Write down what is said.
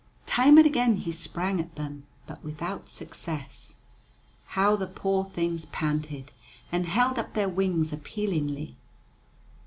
Time and again he sprang at them, but without success. How the poor things panted, and held up their wings appealingly!